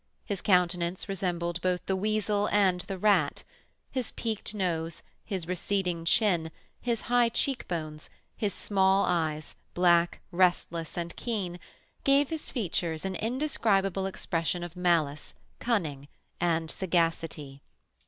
His countenance resembled both the weasel and the rat; his peaked nose, his receding chin, his high cheek bones, his small eyes, black, restless, and keen, gave his features an indescribable expression of malice, cunning, and sagacity.